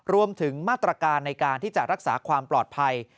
รวมถึงมาตรการในการที่จะรักษาความปลอดภัย